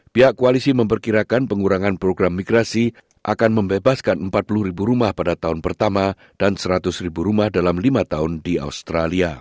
pihak koalisi memperkirakan pengurangan program migrasi akan membebaskan empat puluh ribu rumah pada tahun pertama dan seratus ribu rumah dalam lima tahun di australia